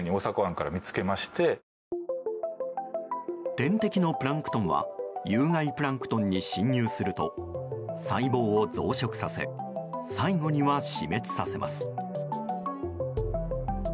天敵のプランクトンは有毒プランクトンに侵入すると細胞を増殖させ最後には死滅させます。